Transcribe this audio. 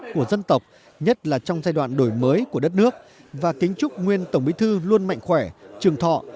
của dân tộc nhất là trong giai đoạn đổi mới của đất nước và kính chúc nguyên tổng bí thư luôn mạnh khỏe trường thọ